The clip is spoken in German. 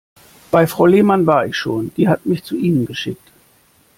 Bei Frau Lehmann war ich schon, die hat mich zu Ihnen geschickt.